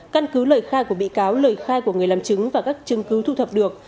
căn cứ lời khai của bị cáo lời khai của người làm chứng và các chứng cứ thu thập được